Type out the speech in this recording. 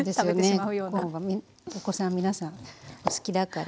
コーンがお子さん皆さんお好きだから。